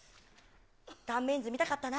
断面図見たかったな。